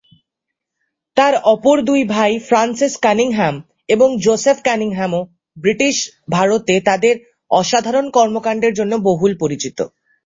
তার অপর দুই ভাই, ফ্রান্সিস কানিংহাম এবং জোসেপ কানিংহাম-ও ব্রিটিশ ভারতে তাদের অসাধারণ কর্মকান্ডের জন্য বহুল পরিচিত।